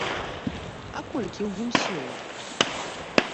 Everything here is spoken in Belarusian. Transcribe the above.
А колькі ў ім сілы!